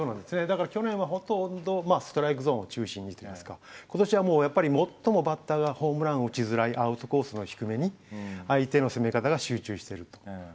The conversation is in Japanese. だから去年はほとんどストライクゾーンを中心にといいますか今年はもうやっぱり最もバッターがホームランを打ちづらいアウトコースの低めに相手の攻め方が集中してると思いますね。